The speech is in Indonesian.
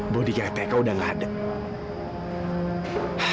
bodi kereta kau udah gak ada